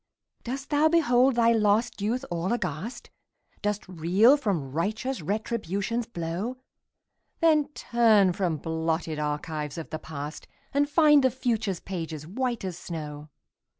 Dost thou behold thy lost youth all aghast? Dost reel from righteous Retribution's blow? Then turn from blotted archives of the past, And find the future's pages white as snow.